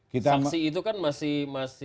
saksi itu kan masih